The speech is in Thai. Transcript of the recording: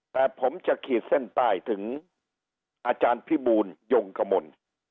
แต่ผมจะขีดเส้นใต้ถึงอาจารย์พิบูลยงกมล